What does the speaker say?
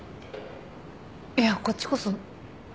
いやこっちこそ。